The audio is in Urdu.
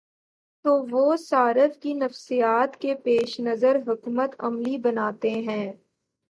تو وہ صارف کی نفسیات کے پیش نظر حکمت عملی بناتے ہیں۔